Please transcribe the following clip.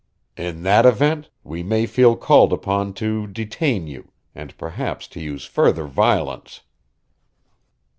"In that event, we may feel called upon to detain you and perhaps to use further violence."